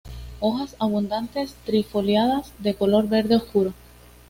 Hojas abundantes, trifoliadas, de color verde obscuro.